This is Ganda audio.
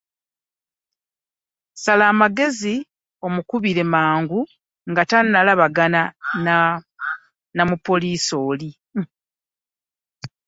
Sala amagezi omukubire mangu nga tannalabagana na mupoliisi oli.